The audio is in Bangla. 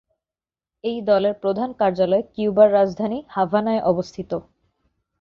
এই দলের প্রধান কার্যালয় কিউবার রাজধানী হাভানায় অবস্থিত।